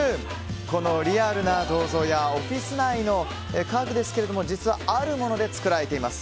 このリアルな銅像やオフィス内の家具は実は、あるもので作られています。